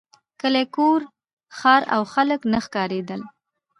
کلی کور ښار او خلک نه ښکارېدل.